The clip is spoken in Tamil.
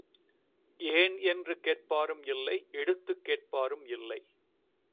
ஏன் என்று கேட்பாரும் இல்லை எடுத்துக் கேட்பாரும் இல்லை.